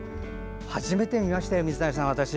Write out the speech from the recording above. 初めて見ましたよ、水谷さん。